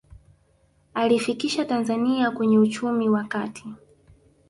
aliifikisha tanzania kwenye uchumi wa kati